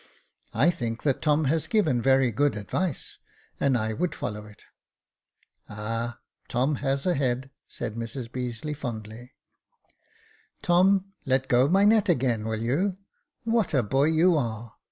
"I think that Tom has given very good advice, and I would follow it." " Ah ! Tom has a head," said Mrs Beazeley, fondly. " Tom, let go my net again, will you } What a boy you are